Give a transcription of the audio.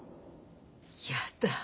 やだ